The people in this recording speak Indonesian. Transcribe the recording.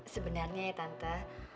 sebenarnya ya tante